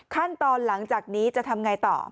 ขั้นตอนหลังจากนี้จะทำไงต่อ